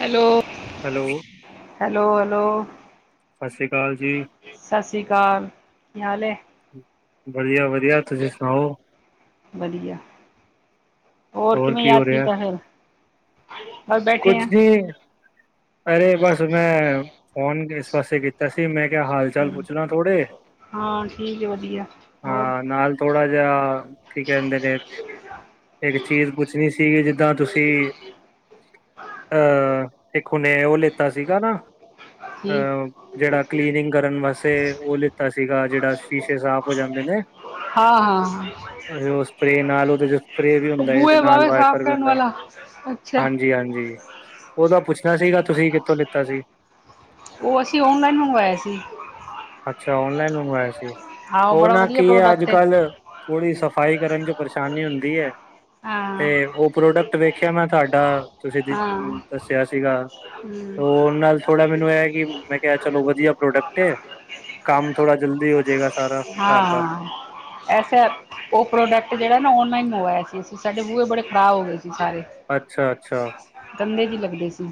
Hello hello hello hello ਸਤਿ ਸ਼੍ਰੀ ਅਕਾਲ ਜੀ ਸਤਿ ਸ਼੍ਰੀ ਅਕਾਲ ਕੀ ਹਾਲ ਹੈ। ਵਧੀਆ ਵਧੀਆ ਤੁਸੀਂ ਸੁਣਾਓ ਵਧੀਆ ਹੋਰ ਕਿਵੇਂ ਕੀ ਯਾਦ ਹੋ ਰਿਹਾ ਕੀਤਾ ਹੈ। [unintelligible] ਕੁਛ ਜੇ ਅਰੇ ਬਸ ਮੈਂ ਫੋਨ ਇਸ ਪਾਸੇ ਕੀਤਾ ਸੀ ਮੈਂ ਕਿਹਾ ਹਾਲ ਚਾਲ ਹੂੰ। ਪੁੱਛ ਲਾ ਥੋੜੇ ਹਾਂ ਠੀਕ ਹੈ ਵਧੀਆ ਹੋਰ ਹਾਂ ਨਾਲ ਥੋੜਾ ਜਿਹਾ ਕੀ ਕਹਿੰਦੇ ਨੇ। ਇੱਕ ਚੀਜ਼ ਪੁੱਛਣੀ ਸੀਗੀ ਜਿੱਦਾਂ ਤੁਸੀਂ, ਅਹ ਇੱਕ ਹੁਣੇ ੳਹਨੇ ਉਹ ਲਿੱਤਾ ਸੀਗਾ ਨਾ। ਠੀਕ ਅਹ ਜਿਹੜਾ ਕਲੀਨਿੰਗ ਕਰਨ ਵਾਸਤੇ ਉਹ ਲਿੱਤਾ ਸੀਗਾ ਜਿਹੜਾ ਸ਼ੀਸ਼ੇ ਸਾਫ਼ ਹੋ ਜਾਂਦੇ ਨੇ। ਹਾਂ-ਹਾਂ ਉਹ ਸਪਰੇ ਨਾਲ ਉਹਦੇ ਚ ਸਪਰੇ ਵੀ ਹੁੰਦਾ ਏ ਤੇ ਬੂਹੇ ਨਾਲ ਬਾਵੇ ਸਾਫ਼ ਵਾਇਪਰ ਵੀ ਕਰਨ ਹੁੰਦਾ। ਵਾਲਾ ਅੱਛਾ! ਹਾਂਜੀ [inaudible] ਉਹਦਾ ਪੁੱਛਣਾ ਸੀਗਾ ਤੁਸੀਂ ਕਿੱਥੋਂ ਲਿੱਤਾ ਸੀ? ਉਹ ਅਸੀਂ ਔਨਲਾਈਨ ਮੰਗਵਾਇਆ ਸੀ ਅੱਛਾ ਔਨਲਾਈਨ ਮੰਗਵਾਇਆ ਸੀ। ਹਾਂ ਉਹ ਬੜਾ ਨਾ ਵਧੀਆ ਕੀ ਹੈ ਅੱਜ ਪ੍ਰੋਡਕਟ ਕੱਲ੍ਹ ਥੋੜੀ ਸਫ਼ਾਈ ਕਰਨ ਚ ਪਰੇਸ਼ਾਨੀ ਹੁੰਦੀ ਏ। ਹਾਂ। ਤੇ ਉਹ ਪ੍ਰੋਡਕਟ ਵੇਖਿਆ ਮੈਂ ਤੁਹਾਡਾ ਤੁਸੀਂ, ਹਾਂ ਹਮ ਦੱਸਿਆ ਸੀਗਾ ਹੂੰ ਉਹ ਨਾਲ, ਥੋੜਾ ਮੈਨੂੰ ਇਹ ਕਿ ਮੈਂ ਕਿਹਾ ਚਲੋ ਵਧੀਆ, ਪ੍ਰੋਡਕਟ ਕੰਮ ਥੋੜਾ ਜਲਦੀ ਜਾਏਗਾ ਸਾਰਾ ਘਰ ਦਾ ਹਾਂ ਐਸੇ, ਉਹ ਪ੍ਰੋਡਕਟ ਜਿਹੜਾ ਨਾ ਔਨਲਾਈਨ ਮੰਗਵਾਇਆ ਸੀ। ਸਾਡੇ ਬੂਹੇ ਬੜੇ ਖ਼ਰਾਬ ਹੋ ਗਏ ਸੀ ਸਾਰੇ। ਅੱਛਾ- ਅੱਛਾ ਗੰਦੇ ਜੇ ਲੱਗਦੇ ਸੀ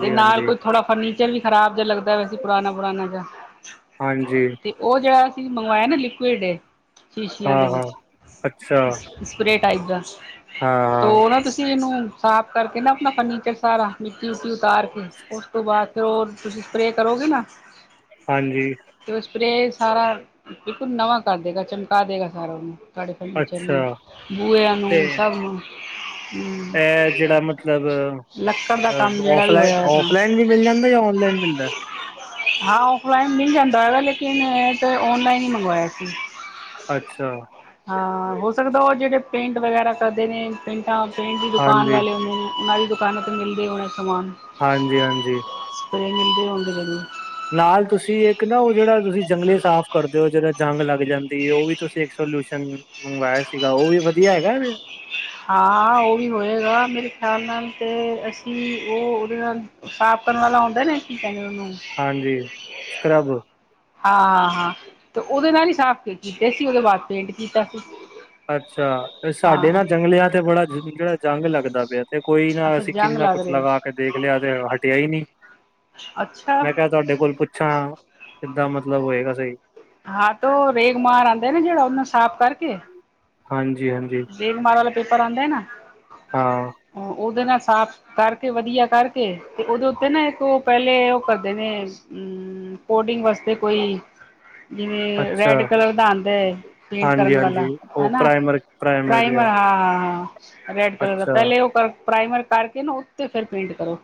ਤੇ ਨਾਲ ਹਾਂਜੀ ਕੋਈ ਥੋੜਾ ਫਰਨੀ ਵੀ ਖਰਾਬ ਜਿਹਾ ਲੱਗਦਾ ਵੈਸੇ ਪੁਰਾਣਾ- ਪੁਰਾਣਾ ਜਿਹਾ। ਹਾਂਜੀ ਤੇ ਉਹ ਜਿਹੜਾ ਅਸੀਂ ਮੰਗਵਾਇਆ ਨਾ ਲਿਕੁਿਡ ਸ਼ੀਸ਼ਿਆਂ ਹਾਂ ਦੇ ਹਾਂ ਅੱਛਾ ਵਿੱਚ ਸਪਰੇ ਟਾਈਪ ਦਾ। ਹਾਂ ਹਾਂ ਤੋ ਨਾ ਤੁਸੀਂ ਇਹਨੂੰ ਸਾਫ ਕਰਕੇ ਨਾ ਆਪਣਾ ਫਰਨੀਚਰ ਸਾਰਾ ਮਿੱਟੀ ਉਟੀ ਉਤਾਰ ਕੇ। ਉਸ ਤੋਂ ਬਾਅਦ ਫਿਰ ਉਹ ਤੁਸੀਂ ਸਪਰੇਅ ਕਰੋਗੇ ਨਾ। ਹਾਂਜੀ ਸਪਰੇ ਸਾਰਾ ਬਿਲਕੁਲ ਨਵਾਂ ਕਰ ਦੇਗਾ ਚਮਕਾ ਦੇਗਾ ਸਾਰਾ ਉਹਨੂੰ ਕਰ ਅੱਛਾ ਬੁਏ ਆ ਨੂੰ ਤੇ ਸਭ ਨੂੰ ਹਮ ਇਹ ਜਿਹੜਾ ਮਤਲਬ! ਲੱਕੜ ਦਾ ਕੰਮ ਜਿਹੜਾ ਵੀ ਔਫਲਾਈ ਹੋਇਆ ਤਾਂ ਔਫਲਾਈਨ ਵੀ ਮਿਲ ਜਾਂਦਾ ਜਾਂ ਔਨਲਾਈਨ ਮਿਲਦਾ? ਹਾਂ ਔਫਲਾਈਨ ਮਿਲ ਜਾਂਦਾ ਹੈਗਾ ਲੇਕਿਨ ਇਹ ਤਾਂ ਔਨਲਾਈਨ ਹੀ ਮੰਗਵਾਇਆ ਸੀ। ਅੱਛਾ! ਹਾਂ ਹੋ ਸਕਦਾ ਉਹ ਜਿਹੜੇ ਪੇਂਟ ਵਗੈਰਾ ਕਰਦੇ ਨੇ। ਪਿੰਟਾਂ- ਪਿੰਟ ਦੀ ਦੁਕਾਨ ਹਾਂਜੀ ਵਾਲੇ ਹੁੰਦੇ ਨੇ ਉਹਨਾਂ ਦੀ ਦੁਕਾਨਾਂ 'ਤੇ ਮਿਲਦੇ ਹੋਣਾ ਸਮਾਨ ਹਾਂਜੀ- ਹਾਂਜੀ ਸਪਰੇ ਮਿਲਦੇ ਹੁੰਦੇ ਜੀ ਨਾਲ ਤੁਸੀਂ ਇੱਕ ਨਾ ਉਹ ਜਿਹੜਾ ਤੁਸੀਂ ਜੰਗਲੇ ਸਾਫ਼ ਕਰਦੇ ਹੋ, ਜਿਹੜਾ ਜੰਗ ਲੱਗ ਜਾਂਦੀ ਏ। ਉਹ ਵੀ ਤੁਸੀਂ ਇੱਕ ਸੋਲਿਊਸ਼ਨ, ਮੰਗਵਾਇਆ ਸੀਗਾ ਉਹ ਵੀ ਵਧੀਆ ਹੈਗਾ ਵੀ। ਹਾਂ ਉਹ ਵੀ ਹੋਏਗਾ ਮੇਰੇ ਖਿਆਲ ਨਾਲ ਤੇ ਅਸੀਂ ਉਹ ਉਹਦੇ ਨਾਲ ਸਾਫ਼ ਕਰਨ ਵਾਲਾ ਆਉਂਦਾ ਨਾ ਕਹਿੰਦੇ ਉਹ ਨੂੰ? ਹਾਂਜੀ ਸਕ੍ਰਬ ਹਾਂ -ਹਾਂ ਹਾਂ ਤੇ ਉਹਦੇ ਨਾਲ ਹੀ ਸਾਫ਼ ਕੇ ਕੀਤੇ ਸੀ ਉਹਦੇ ਬਾਅਦ ਪੇਂਟ ਕੀਤਾ ਸੀ। ਅੱਛਾ ਸਾਡੇ ਹਾਂ ਨਾ ਜੰਗਲਿਆਂ ਤੇ ਬੜਾ ਜਿਹੜਾ ਜੰਗ ਲੱਗਦਾ ਪਿਆ ਤੇ ਕੋਈ ਨਾ ਅੱਛਾ ਅਸੀਂ ਜੰਗ ਕਿੰਨਾ ਲੱਗ ਕੁਛ ਰਹੇ ਲਗਾ ਕੇ ਦੇਖ ਲਿਆ ਤੇ ਹਟਿਆ ਹੀ ਨਹੀਂ। ਅੱਛਾ ਮੈਂ ਕਹਿ ਤੁਹਾਡੇ ਕੋਲ ਪੁੱਛਾਂ ਕਿੱਦਾਂ ਮਤਲਬ ਹੋਏਗਾ ਸਹੀ। ਹਾਂ ਤੇ ਉਹ ਰੇਗਮਾਰ ਆਉਂਦਾ ਨਾ ਜਿਹੜਾ ਉਹਨੂੰ ਸਾਫ਼ ਕਰਕੇ, ਹਾਂਜੀ- ਹਾਂਜੀ ਦੇਗਮਾਰ ਵਾਲਾ ਪੇਪਰ ਆਦਾ ਨਾ ਹਾਂ ਉਹਦੇ ਨਾਲ ਸਾਫ਼ ਕਰਕੇ ਵਧੀਆ ਕਰਕੇ, ਤੇ ਉਹਦੇ ਉੱਤੇ ਨਾ, ਇੱਕ ਉਹ ਪਹਿਲੇ ਉਹ ਕਰਦੇ ਨੇ, ਹੂੰ। ਕੋਡਿੰਗ ਵਾਸਤੇ ਕੋਈ, ਜਿਵੇਂ ਅੱਛਾ ਰੈਡ ਕਲਰ, ਦਾ ਆਂਦਾ। ਪੇਂਟ ਕਰਨ ਹਾਂਜੀ-ਹਾਂਜੀ ਵਾਲਾ, ਹਨਾ। [unintelligible] ਪ੍ਰਾਈਮਰ ਹਾਂ, ਹਾਂ, ਹਾਂ ਰੈਡ ਕਲਰ ਦਾ, ਪਹਿਲੇ ਉਹ ਪ੍ਰਾਈਮਰ ਕਰਕੇ। ਨਾ ਉੱਤੇ ਫੇਰ ਪੇਂਟ ਕਰੋ।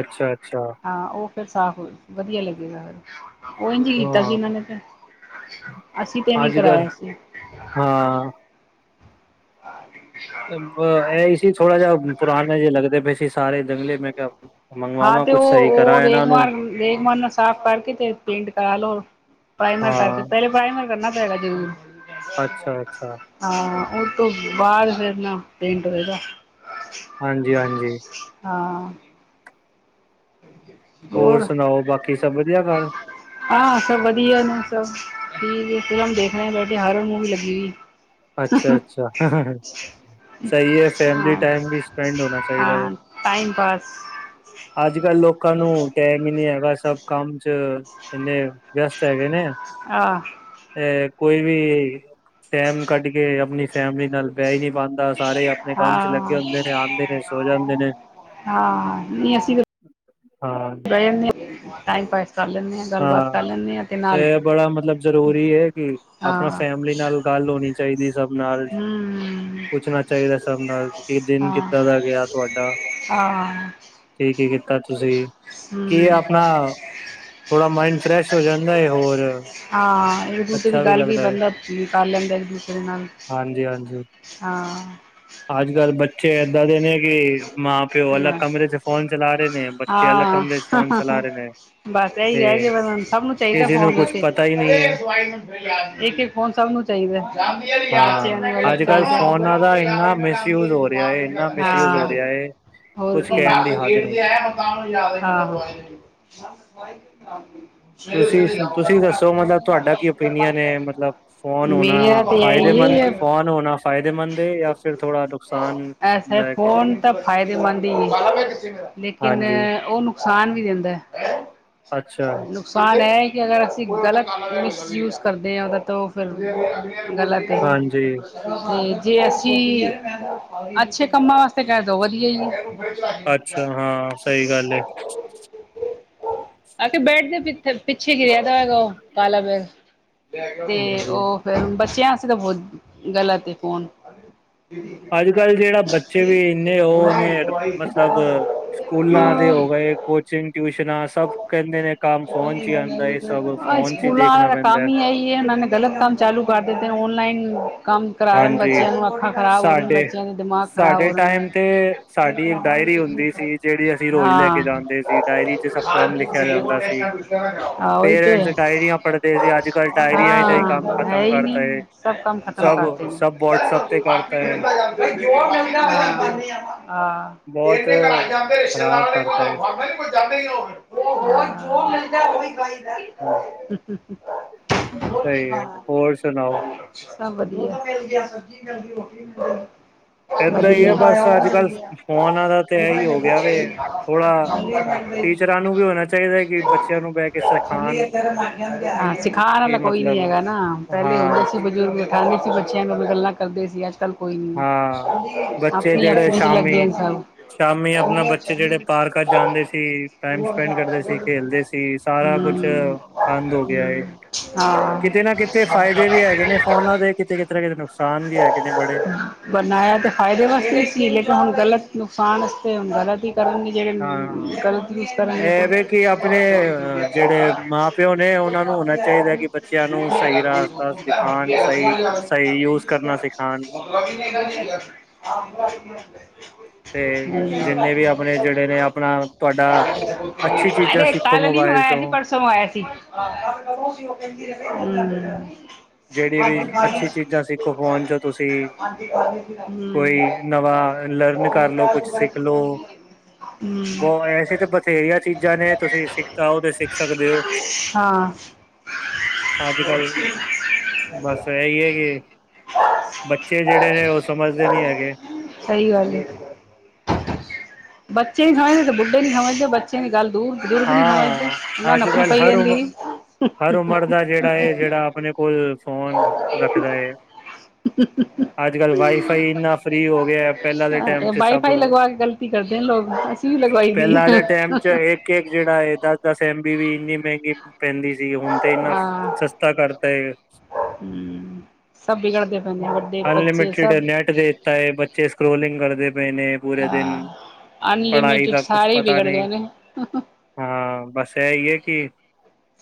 ਅੱਛਾ-ਅੱਛਾ, ਹਾਂ, ਉਹ ਫੇਰ ਸਾਫ਼, ਵਧੀਆ ਲੱਗੇਗਾ ਫੇਰ। ਉਹ ਇਨ ਕੀਤਾ ਸੀ, ਹਾਂ ਇਹਨਾਂ ਨੇ ਫੇਰ, ਅਸੀਂ ਤੇ ਨੀ ਅੱਜ ਕੱਲ ਕਰਾਇਆ ਸੀ। ਹਾਂ, ਇਹ ਸੀ ਹ ਥੋੜਾ ਜਾ, ਪੁਰਾਣੇ ਜੇ, ਲੱਗਦੇ ਪਏ ਸੀ। ਸਾਰੇ ਜੰਗਲੇ ਮੈਂ ਕਿਹਾ ਹਾਂ ਮੰਗਵਾਵਾਂ ਤੇ ਕੁਛ ਉਹ। ਸਹੀ ਕਰਾਂ ਉਹ ਇਹਨਾਂ ਨੂੰ ਰੇਗਮਾਰ, ਰੇਗਮਾਰ ਨਾਲ ਸਾਫ਼ ਕਰਕੇ ਤੇ। ਪਿੰਟ ਕਰਾ ਲਓ। ਪ੍ਰਾਈਮਰ ਕਰਕੇ, ਹਾਂ ਪਹਿਲੇ ਪ੍ਰਾਈਮਰ ਕਰਨਾ ਪਏਗਾ ਜਰੂਰ। ਅੱਛਾ-ਅੱਛਾ। ਹਾਂ, ਉਹ ਤੋਂ ਬਾਅਦ, ਫੇਰ ਨਾ ਪਿੰਟ ਹੋਏਗਾ। ਹਾਂਜੀ, ਹਾਂਜੀ। ਹਾਂ, [inaudible] ਹੋਰ ਸੁਣਾਓ? ਬਾਕੀ ਸਭ ਵਧੀਆ ਘਰ? ਹਾਂ, ਸਭ ਵਧੀਆ, ਸਭ ਠੀਕ ਫਿਲਮ ਦੇਖ ਆਏ ਨੇ ਬਾਹਰ ਮੂਵੀ ਲੱਗੀ ਹੋਈ ਸੀ। ਅੱਛਾ, ਅੱਛਾ। ਸਹੀ ਹੈ, ਫੈਮਲੀ ਹਾਂ ਟਾਈਮ ਵੀ ਸਪੈਂਡ, ਹੋਣਾ ਚਾਹੀਦਾ ਹੈ। ਹਾਂ ਟਾਈਮ ਪਾਸ। ਅੱਜ-ਕੱਲ ਲੋਕਾਂ ਨੂੰ, ਟਾਈਮ ਹੀ ਨਹੀਂ, ਹੈਗਾ ਸਭ ਕੰਮ ਚ ਕਹਿੰਦੇ ਹੇ। ਵਿਅਸਤ ਹੈਗੇ, ਨੇ ਆਹ ਤੇ ਕੋਈ ਵੀ ਟੈਮ ਕੱਢ ਕੇ। ਆਪਣੀ ਫੈਮਿਲੀ ਨਾਲ, ਬਹਿ ਹੀ ਨਹੀਂ ਪਾਂਦਾ। ਸਾਰੇ ਆਪਣੇ ਕੰਮ ਚ, ਲੱਗੇ ਹਾਂ ਹੁੰਦੇ ਨੇ। ਆਂਦੇ ਨੇ ਸੋ ਜਾਂਦੇ ਨੇ। ਹਾਂ ਨਹੀਂ ਅਸੀਂ ਹਾਂ, ਬਹਿ ਟਾਈਮ ਪਾਸ ਕਰ ਲੇਦੇ ਨੇ। ਹਾਂ, ਇਹ ਬੜਾ ਮਤਲਬ ਜ਼ਰੂਰੀ ਹੈ, ਕਿ ਆਪਣਾ ਹਾਂ ਫੈਮਿਲੀ ਨਾਲ ਗੱਲ ਹੋਣੀ। ਚਾਹੀਦੀ ਸਭ ਨਾਲ। ਹੂੰ ਪੁੱਛਣਾ ਚਾਹੀਦਾ, ਸਭ ਨਾਲ ਕਿ ਦਿਨ ਹਾਂ ਕਿੱਦਾਂ ਦਾ, ਗਿਆ ਤੁਹਾਡਾ। ਹਾਂ। ਕੀ- ਕੀ ਕੀਤਾ ਤੁਸੀਂ, ਕੀ ਹਮ ਆਪਣਾ। ਥੋੜਾ ਮਾਇੰਡ ਫਰੈਸ਼, ਹੋ ਜਾਂਦਾ ਏ ਹੋਰ, ਹਾਂ, ਇੱਕ ਦੂਜੇ ਦੀ ਅੱਛਾ ਗੱਲ ਵੀ ਲੱਗਦਾ ਹੈ ਬੰਦਾ ਕਰ ਲੈਂਦਾ, ਇੱਕ ਦੂਸਰੇ ਦੇ ਨਾਲ। ਹਾਂਜੀ- ਹਾਂਜੀ। ਹਾਂ। ਅੱਜ-ਕੱਲ ਬੱਚ ਬੱਚੇ ਇਦਾਂ ਦੇ ਨੇ ਕਿ, ਮਾਂ ਪਿਓ ਅਲਗ ਬਸ ਕਮਰੇ ਚ, ਫੋਨ ਚਲਾ ਰਹੇ ਨੇ, ਬੱਚੇ ਅਲਗ ਕਮਰੇ ਹਾਂ ਫੋਨ ਚਲਾ ਰਹੇ ਨੇ। ਬਸ ਇਹੀ ਤੇ ਰਹਿ ਗ। ਸਭ ਨੂੰ ਚਾਹੀਦਾ ਕਿਸੇ ਨੂੰ ਫੋਨ, ਕੁਛ ਵਿੱਚ ਇੱਕ, ਪਤਾ ਹੀ ਨਹੀਂ ਹੈ ਇੱਕ ਫੋਨ ਸਭ ਨੂੰ ਸਹੀ ਐ। ਬੱਚਿਆ ਹਾਂ ਨੁੰ ਅਲਗ ਅੱਜ ਕੱਲ੍ਹ ਚਾਹੀਦਾ ਹੈ। ਫੋਨਾਂ ਦਾ ਇੰਨਾ ਮਿਸਯੂਜ ਹੋ ਰਿਹਾ ਹੈ ਇੰਨਾ ਹਾ, ਮਿਸਯੂਜ ਹੋ ਨਾਲ ਰਿਹਾ ਹੈ ਕੁਛ ਦੇ ਕਹਿਣ ਦੀ ਹੱਦ ਗੇਟ ਨਹੀਂ ਦੇ ਆਇਆ। ਹਾਂ, ਆਹੋ, ਆਹੋ। ਤੁਸੀਂ, ਤੁਸੀਂ ਦੱਸੋ ਮਤਲਬ ਤੁਹਾਡਾ ਕੀ ਓਪੀਨੀਅਨ ਹੈ। ਮਤਲਬ ਫੋਨ ਹੋਣਾ ਮੇਰਾ ਤੇ ਇਹੀ ਫਾਇਦੇਮੰਦ ਹੈ ਕੌਨ ਹੋਣਾ ਫਾਇਦੇਮੰਦ ਏ ਜਾਂ ਫੇਰ ਥੋੜਾ ਨੁਕਸਾਨ ਐਸਾ ਹੈ ਲੈ ਕੇ। ਫ਼ੋਨ ਤਾਂ ਫਾਇਦੇਮੰਦ ਹੀ ਹੈ। ਲੇਕਿਨ ਹਾਂਜੀ ਉਹ ਨੁਕਸਾਨ ਵੀ ਦਿੰਦਾ। ਅੱਛਾ। ਨੁਕਸਾਨ ਇਹ ਹੈ, ਕਿ ਅਗਰ ਅਸੀਂ ਗਲਤ, ਮਿਸਯੂਜ ਕਰਦੇ ਹਾਂ ਉਹਦਾ। ਤਾਂ ਉਹ ਫੇਰ ਗਲਤ ਹੈ। ਹਾਂਜੀ ਤੇ ਜੇ ਅਸੀਂ, ਅੱਛੇ ਕੰਮਾਂ ਵਾਸਤੇ ਕਹਿ ਦਓ ਵਧੀਆ ਜੀ [unintelligible] [inaudible] ਅੱਛਾ ਹਾਂ ਸਹੀ ਗੱਲ ਹੈ ਆ ਕੇ ਬੈਡ ਦੇ ਪਿੱਛੇ ਗਿਰਿਆ ਦਾ ਉਹ ਕਾਲਾ ਬੈਗ ਤੇ ਹਾਂਜੀ ਉਹ ਫੇਿਰ, ਬੱਚਿਆਂ ਵਾਸਤੇ ਤਾਂ ਬਹੁਤ ਗਲਤ ਏ ਫੋਨ ਅੱਜ ਕੱਲ੍ਹ ਜਿਹੜਾ ਬੱਚੇ ਵੀ ਜੰਨੇ ਉਹ ਨੇ, ਮਤਲਬ ਸਕੂਲਾਂ ਦੇ ਹਾਂ ਹੋ ਗਏ। ਕੋਚਿੰਗ ਟਿਊਸ਼ਨਾਂ ਸਭ ਕਹਿੰਦੇ ਨੇ। ਕੰਮ ਫੋਨ ਚ ਹੀ ਆਉਂਦਾ ਹੈ। ਸਭ ਫੋਨ ਚ ਹੀ ਦੇਖਣਾ ਪੈਂਦਾ ਹੈ। ਏਹੀ ਹੈ ਇਹਨਾਂ ਨੇ, ਗਲਤ ਕੰਮ ਚਾਲੂ ਕਰ ਦਿੱਤੇ ਨੇ। ਔਨਲਾਈਨ ਕੰਮ। ਕਰਾ ਰਹੇ ਨੇ, ਹਾਂਜੀ ਬੱਚਿਆਂ ਨੂੰ ਅੱਖਾਂ ਖਰਾਬ ਹੋ ਰਹੀਆਂ, ਸਾਡੇ ਬੱਚਿਆਂ ਦੇ ਦਿਮਾਗ਼ ਖਰਾਬ ਸਾਡੇ ਹੋ ਰਹੇ ਟਾਈਮ ਨੇ ਤੇ ਸਾਡੀ ਇੱਕ ਡਾਇਰੀ ਹੁੰਦੀ ਸੀ। ਜਿਹੜੀ ਅਸੀਂ ਰੋਜ਼ ਲੈ ਕੇ ਹਾਂ ਜਾਂਦੇ ਸੀ ਡਾਇਰੀ ਸਭ ਕੰਮ ਲਿਖਿਆ ਜਾਂਦਾ ਸੀ ਹਾਂ ਉਹੀ ਤੇ ਪੇਰੈਂਟਸ ਡਾਇਰੀਆਂ ਪੜ੍ਹਦੇ ਸੀ ਅੱਜ ਲਾਈਟ, ਆਏ ਨਾ ਆਏ ਕੰਮ ਹਾਂ ਹੈ ਖਤਮ ਹੀ ਕਰ ਤਾ ਏ। ਨਹੀਂ ਸਭ ਕਮ ਖਤਮ ਕਰਤੇ ਤੇ ਕਰਤਾ ਹੈ ਆ ਬਹੁਤ ਏਦੇ ਘਰ ਜਾ ਕੇ, ਖ਼ਰਾਬ ਰਿਸ਼ਤੇਦਾਰਾ ਕੋਈ, ਕਰਤਾ ਹੈ ਫਾਇਦਾ ਨੀ ਕੋਈ ਤਦੇ ਉ ਓਹੋ ਜੋ ਆਏ ਗਾ ਓਹੀ ਖਾਂਈ [inaudible] [inaudible] ਸਹੀ ਹੈ ਹੋਰ ਸੁਣਾਓ ਸਭ ਵਧੀਆ, ਮਿਲ ਗਿਆ ਸਬਜ਼ੀ ਨਾਲ ਏਦਾਂ ਹੀ ਹੈ ਬਸ ਅੱਜ -ਕੱਲ ਫੋਨਾਂ ਦਾ ਤੇ ਇਹੀ ਉਹਦਾ ਮਿਲ ਹੋ ਗਿਆ ਵੇ, ਥੋੜਾ ਗਿਆ ਮਿਲ ਗਈ ਟੀਚਰਾਂ ਨੂੰ ਵੀ ਹੋਣਾ ਚਾਹੀਦਾ ਚਾਹੀਦਾ ਕਿ, ਬੱਚਿਆਂ ਨੂੰ ਬਹਿ ਕੇ ਛੱਲੀ ਸਿਖਾਉਣ ਇੱਥੇ ਰਮਾਈਆਂ ਦੇ ਆ ਹਾਂ ਸਿਖਾਉਣ ਵਾਲਾ ਕਿ ਕੋਈ ਨਹੀਂ ਮਤਲਬ ਹੈਗਾ ਨਾ ਪਹਿਲੇ ਹਾਂ ਹੁੰਦੇ ਸੀ ਬਜ਼ੁਰਗ ਬੱਚਿਆਂਨਾਲ ਗੱਲਾਂ ਕਰਦੀ ਸੀ ਆੱਜ- ਕੱਲ ਕੋਈ ਨ ਹਾਂ ਬੱਚੇ ਜਿਹੜੇ ਆਪੋ ਚ ਸ਼ਾਮੀ ਲੱਗੇ ਸਨ। ਸ਼ਾਮੀ ਆਪਣਾ, ਬੱਚੇ ਜਿਹੜੇ ਪਾਰਕਾਂ ਜਾਂਦੇ ਸੀ, ਟਾਈਮ ਉਹ ਸਪੈਂਡ ਜਾ ਕਰਦੇ ਰਿਹਾ ਸੀ ਖੇਲਦੇ ਸੀ ਸਾਰਾ ਕੁਛ ਹਮ ਬੰਦ ਹੋ ਗਿਆ ਏ, ਹਮ, ਹਾਂ ਕਿਤੇ ਨਾ ਕਿਤੇ ਫਾਇਦੇ ਵੀ, ਹੈਗੇ ਨੇ ਫੋਨਾਂ ਦੇ ਕਿਤੇ, ਕਿਤਰੇ ਨੁਕਸਾਨ ਵੀ ਹੈਗੇ ਨੇ ਬੜੇ ਬਣਾਇਆ ਤੇ ਫਾਇਦੇ ਵਾਸਤੇ ਸੀ, ਲੇਕਿਨ ਹੁਣ ਗ਼ਲਤ ਨੁਕਸਾਨ ਵਸਤੇ ਹੁਣ ਗਲਤ ਹੀ ਕਰਨਗੇ ਹਾਂ ਜੇਹੜੇ ਗਲਤ ਯੂਜ ਕਰਨਗੇ ਇਹ ਵੇ ਕਿ ਆਪਣੇ ਅ ਜਿਹੜੇ ਮਾਂ ਪਿਓ ਨੇ ਉਹਨਾਂ ਨੂੰ ਹੋਣਾ ਚਾਹੀਦਾ ਕਿ ਬੱਚਿਆਂ ਨੂੰ ਸਹੀ ਰਸਤਾ ਦਿਖਾਣ ਸਹੀ [unintelligible] [inaudible] ਸਹੀ ਯੂਜ, ਕਰਨਾ ਸਿਖਾਉਣ [unintelligible] [inaudible] ਤੇ ਜਿੰਨੇ ਵੀ ਆਪਣੇ ਜਿਹੜੇ ਨੇ ਆਪਣਾ ਤੁਹਾਡਾ ਅੱਛੀ ਚੀਜ਼ਾਂ ਇੱਕ ਸਿੱਖੋ ਸਾਲ ਨੀ ਮੋਬਾਇਲ ਮੰਗਵਾਆ ਸੀ ਚੋਂ ਪਰਸੋਂ [inaudible] ਪਰਸੋ ਆਇਆ ਸੀ। ਜਿਹੜੀ ਵੀ, ਅੱਛੀ ਚੀਜ਼ਾਂ ਸਿੱਖੋ, ਫੋਨ ਚੋ ਤੁਸੀਂ ਹੂੰ। ਹੂੰ ਕੋਈ ਨਵਾਂ ਲਰਨ, ਹਮ ਕਰਲੋ ਕੁਛ ਸਿੱਖ ਲਓ ਬਹੁ ਐਸੇ ਤਾਂ, ਬਥੇਰੀਆਂ ਚੀਜ਼ਾਂ ਨੇ ਤੁਸੀਂ ਸਿੱਖਓ ਤੇ ਸਿੱਖ ਸਕਦੇ ਹੋ ਹਾਂ ਅੱਜ- ਕੱਲ੍ਹ ਬਸ ਇਹੀ ਹੈ ਕਿ, ਬੱਚੇ ਜਿਹੜੇ ਨੇ ਉਹ ਸਮਝਦੇ ਨੀ ਹੈਗੇ ਸਹੀ ਗੱਲ ਏ ਬੱਚੇ ਵੀ ਖਾਏ ਤੇ ਬੁੱਢੇ ਨੀ ਖਾਵੇ ਬੱਚਿਆਂ ਦੀ ਗੱਲ ਦੂਰ ਜ਼ੂਰ ਵੀ ਨਹੀਂ ਹੋਵ ਹਾਂ ਉਹਨਾਂ ਅੱਜ ਨਪਣੀ ਕੱਲ ਪਈ ਹਰ ਉਮ ਜਾਂਦੀ ਹਰ ਸੀ [inaudible] ਉਮਰ ਦਾ ਜਿਹੜਾ ਹੈ ਜਿਹੜਾ ਆਪਣੇ ਕੋਲ ਫੋਨ ਰੱਖਦਾ ਏ, ਅੱਜ -ਕੱਲ ਵਾਈਫਾਈ ਇਨਾ ਫਰੀ ਹੋ ਗਿਆ, ਪਹਿਲਾਂ ਦੇ ਟਾਈਮ ਚ ਸਭ ਵਾਈਫਾਈ ਲਗਵਾ ਕੇ ਗ਼ਲਤੀ ਕਰਦੇ ਨੇ ਲੋਕ ਅਸੀਂ ਵੀ ਲਗਵਾਈ ਦੀ ਪਹਿਲਾਂ ਹੈ ਦੇ ਟੈਮ ਚ ਹੈਗੇ ਕੇਕ ਜਿਹੜਾ ਹੈ ਦਸ -ਦਸ ਐਮ ਬੀ ਵੀ ਇੰਨੀ ਮਹਿੰਗੀ ਕਹਿਦੀ ਸੀ, ਹੁਣ ਤੇ ਇੰਨਾ ਹਾਂ ਸਸਤਾ ਕਰਤਾ ਹੈ ਹਮ ਸਭ ਬਿਗੜਦੇ ਪਏ ਨੇ ਵੱਡੇ ਬੱਚੇ ਅਨਲਿਮਿਟੇਡ ਸਭ ਨੈਟ ਦੇ ਤਾਂਏ ਬੱਚੇ, ਸਕ੍ਰੋਲਿੰਗ ਕਰਦੇ ਪਏ ਨੇ ਪੂਰੇ ਦਿਨ, ਅ ਪੜ੍ਹਾਈ ਅਨਲਿਮਿਟਿਡ ਦਾ ਕੁਛ ਸਾਰੇ ਪਤਾ ਵਿਗੜ ਨਹੀਂ ਗਏ ਨੇ ਹਾਂ, ਬਸ ਹੈ ਇਹ ਹੈ ਕਿ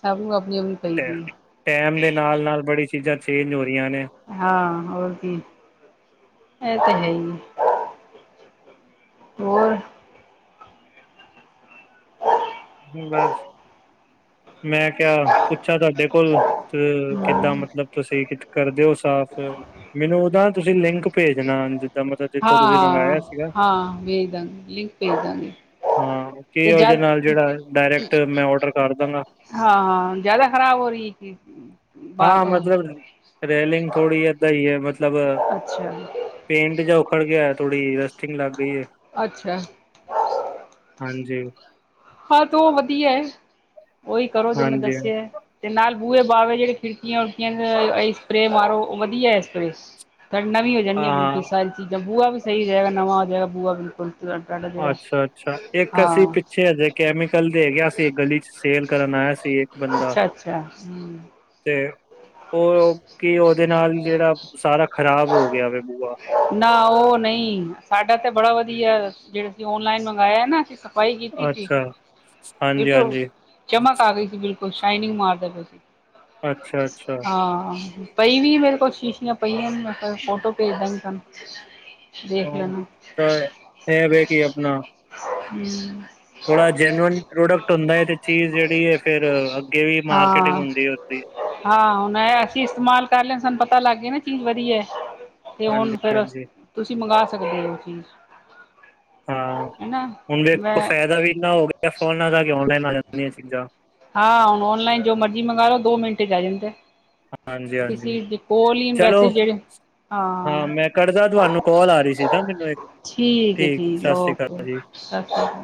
ਸਭ ਨੂੰ, ਆਪਣੀ -ਆਪਣੀ ਪਈ ਦੀ ਏ। ਟੈਮ ਦੇ ਨਾਲ-ਨਾਲ ਬੜੀ ਚੀਜ਼ਾਂ ਚੇਂਜ ਹੋ ਰਹੀਆਂ ਨੇ, ਹਾਂ, ਹੋਰ ਕੀ, ਇਹ ਤਾਂ ਹੈ ਏ ਹੋਰ, ਹੂੰ, ਬਸ ਮੈਂ ਕਿਹਾ ਪੁੱਛਾਂ ਤੁਹਾਡੇ ਕੋਲ, ਕਿੱਦਾਂ ਮਤਲਬ ਤੁਸੀਂ ਕਰ ਦਿਓ ਸਾਫ਼, ਮੈਨੂੰ ਉਹਦਾ ਤੁਸੀਂ ਲਿੰਕ ਭੇਜਣਾ, ਜਿੱਦਾਂ ਮਤਲਬ ਜਿੱਥੋਂ ਤੁਸੀਂ ਹਾਂ ਮੰਗਾਇਆ ਸੀਗਾ। ਹਾਂ ਭੇਜ ਦਾਂਗੇ ਲਿੰਕ ਭੇਜ ਦਾਂਗੇ ਹਾਂ, ਕੀ ਤੇ ਉਹਦੇ ਜਦ ਨਾਲ ਜਿਹੜਾ ਡਾਇਰੈਕਟ ਮੈਂ ਔਡਰ ਕਰਦਾਂਗਾ। ਹਾਂ, ਜਿਆਦਾ ਖ਼ਰਾਬ ਹੋ ਰਹੀ ਕੀ ਹਾਂ ਮਤਲਬ, ਰੇਲਿੰਗ ਥੋੜੀ ਏਦਾਂ ਹੀ ਹੈ ਮਤਲਬ ਅੱਛਾ ਪੇਂਟ ਜਾ ਉਖੜ ਗਿਆ, ਥੋੜੀ ਰਸਟਿੰਗ ਲੱਗ ਗਈ ਐ। ਅੱਛਾ ਹਾਂਜੀ, ਹਾਂ ਤੋ ਉਹ ਵਧੀਆ ਐ, ਉਹੀ ਕਰੋ ਜੋ ਮੈਂ ਹਾਂਜੀ ਦੱਸਿਆ। ਤੇ ਨਾਲ ਬੂਹੇ -ਬਾਵੇ ਜਿਹੜੇ ਖਿੜਕੀਆਂ-ਖਿੜਕੀਆਂ ਸਪਰੇਅ ਮਾਰੋ, ਉਹ ਵਧੀਆ ਐ ਸਪਰੇਅ। ਡਾ ਨਵੀ ਹੋ ਜਾਣੀਆਂ ਹਾਂ ਬਿਲਕੁਲ, ਸਾਰੀ ਚੀਜ਼ਾਂ ਬੂਆ ਵੀ ਸਹੀ ਹੋ ਜਾਏਗਾ ਨਵਾਂ ਹੋ ਜਾਏਗਾ, ਬੂਆ ਬਿਲਕੁਲ ਜਿਹੜਾ ਅੱਛਾ-ਅੱਛਾ, ਇੱਕ ਅਸੀਂ ਹਾਂ ਪਿੱਛੇ ਜੇ ਕੈਮੀਕਲ ਦੇ ਗਿਆ ਸੀ, ਗਲੀ ਚ ਸੇਲ ਕਰਨ ਆਇਆ ਸੀ, ਇੱਕ ਬੰਦਾ ਅੱਛਾ ਅੱਛਾ ਹਮ ਤੇ ਉਹ ਕੀ, ਉਹਦੇ ਨਾਲ ਜਿਹੜਾ ਸਾਰਾ ਖ਼ਰਾਬ ਹੋ ਗਿਆ ਵਾ ਬੂਆ। ਨਾ ਉਹ ਨਹੀਂ, ਸਾਡਾ ਤਾ ਬੜਾ ਵਧੀਆ, ਜਿਹੜਾ ਅਸੀਂ ਔਨਲਾਈਨ ਮੰਗਵਾਇਆ ਨਾ ਅਸੀਂ। ਬਾਈ ਗੀ ਪੀਤੀ ਅੱਛਾ ਹਾਂਜੀ ਦੇਖੋ ਹਾਂਜੀ ਚਮਕ ਆ ਗਈ ਸੀ, ਬਿਲਕੁਲ ਸ਼ਾਈਨਿੰਗ ਮਾਰਦਾ ਪਿਆ ਸੀ, ਅੱਛਾ ਅੱਛਾ ਹਾਂ ਪਈ ਵੀ ਮੇਰੇ ਕੋਲ ਸ਼ੀਸ਼ੀਆਂ ਪਈਆਂ, ਮੈਂ ਕਿਹਾ ਫੋਟੋ ਭੇਜਦਾਂਗੀ ਤਹਾਨੂੰ। ਹਾਂ, ਤਾਂ ਹੈ ਵੇ ਕਿ ਆਪਣਾ ਹੂੰ, ਥੋੜਾ ਜੈਨੂਅਨ ਪ੍ਰੋਡਕਟ ਹੁੰਦਾ ਐ, ਤੇ ਚੀਜ਼ ਜਿਹੜੀ ਏ ਫੇਰ ਅੱਗੇ ਵੀ ਮਾਰਕੀਟਿੰਗ ਹਾਂ ਹੁੰਦੀ ਐ ਉਸਦੀ। ਹਾਂ ਹੁਣ ਅਸੀਂ ਇਸਤੇਮਾਲ ਕਰ ਲਿਆ, ਸਾਨੂੰ ਪਤਾ ਲੱਗ ਗਿਆ ਨਾ ਚੀਜ਼ ਵਧੀਆ, ਤੇ ਹਾਂਜੀ ਹੁਣ ਫਿਰ ਅ, ਹਾਂਜੀ ਤੁਸੀਂ ਮੰਗਾ ਸਕਦੇ ਹੋ ਉਹ ਚੀਜ਼। ਹਾਂ ਹਨਾ ਹੁਣ ਦੇੇਖੋ ਮੈਂ ਫਾਇਦਾ ਵੀ ਇੰਨਾ ਹੋ ਗਿਆ ਫੋਨਾਂ ਦਾ, ਕਿ ਔਨਲਾਈਨ ਆ ਜਾਂਦੀਆਂ ਚੀਜ਼ਾਂ। ਹਾਂ ਹੁਣ ਔਨਲਾਈਨ ਜੋ ਮਰਜ਼ੀ ਮੰਗਾ ਲੋ, ਦੋ ਮਿੰਟ ਚ ਆ ਜਾਂਦਾਂ। ਹਾਂਜੀ ਹਾਂਜੀ ਕਿਸੀ ਦੇ ਕੋਲ ਹੀ ਵੈਸੇ ਚਲੋ ਜਿਹੜੀ ਹਾਂ, ਮੈਂ ਕਰਦਾ ਤੁਹਾਨੂੰ ਕਾਲ ਆ ਰਹੀ ਸੀ ਤਾਂ ਮੈਨੂੰ ਇੱਕ ਠੀਕ ਐ- ਠੀਕ ਐ, ਸਤਿ ਸ਼੍ਰੀ ਓਕੇ ਅਕਾਲ ਜੀ ਸਸ ਰੀ ਕਾਲ।